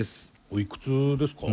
おいくつですか？